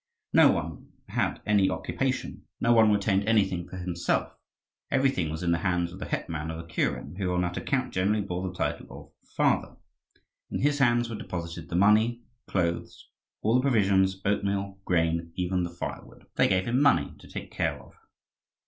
No one had any occupation; no one retained anything for himself; everything was in the hands of the hetman of the kuren, who, on that account, generally bore the title of "father." In his hands were deposited the money, clothes, all the provisions, oatmeal, grain, even the firewood. They gave him money to take care of.